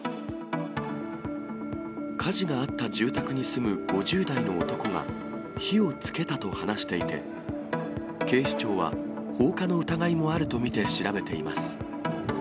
火事があった住宅に住む５０代の男が、火をつけたと話していて、警視庁は、放火の疑いもあると見て調べています。